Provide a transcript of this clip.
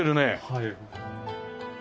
はい。